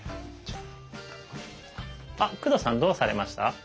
あっ工藤さんどうされました？